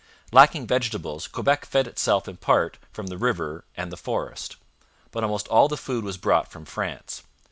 Lacking vegetables, Quebec fed itself in part from the river and the forest. But almost all the food was brought from France.